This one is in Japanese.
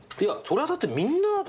それはだってみんな。